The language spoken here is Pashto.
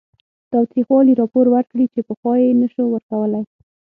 تاوتریخوالي راپور ورکړي چې پخوا یې نه شو ورکولی